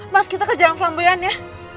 mas kita ke jalan flamboyan ya